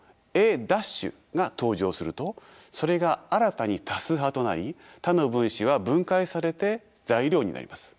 Ａ′が登場するとそれが新たに多数派となり他の分子は分解されて材料になります。